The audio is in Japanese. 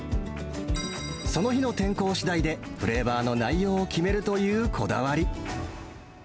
その日の天候しだいで、フレーバーの内容を決めるというこだわり。